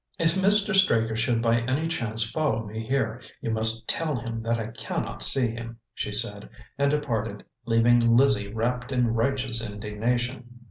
"If Mr. Straker should by any chance follow me here, you must tell him that I can not see him," she said, and departed, leaving Lizzie wrapped in righteous indignation.